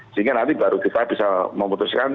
sehingga nanti baru kita bisa memutuskan